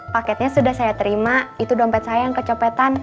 paketnya sudah saya terima itu dompet saya yang kecopetan